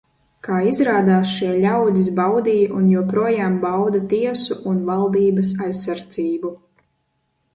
Kā izrādās šie ļaudis baudīja un joprojām bauda tiesu un valdības aizsardzību.